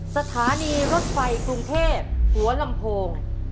สถานีรถไฟกรุงเทพหัวลำโพง